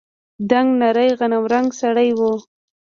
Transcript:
دنګ نرى غنمرنگى سړى و.